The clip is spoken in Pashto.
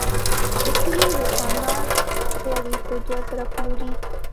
د کلي دوکاندار غوړي په دوه زره پلوري.